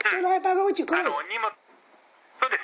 そうです。